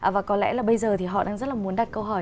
và có lẽ là bây giờ thì họ đang rất là muốn đặt câu hỏi